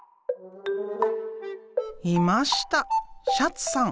いましたシャツさん。